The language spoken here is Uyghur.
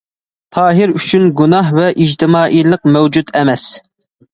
تاھىر ئۈچۈن گۇناھ ۋە ئىجتىمائىيلىق مەۋجۇت ئەمەس.